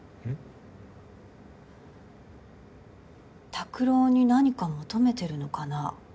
拓郎に何か求めてるのかな？